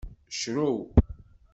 Crew.